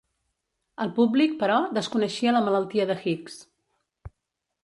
El públic, però, desconeixia la malaltia de Hicks.